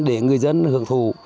để người dân hưởng thù